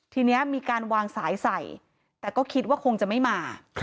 ทีนี้มีการวางสายใส่แต่ก็คิดว่าคงจะไม่มา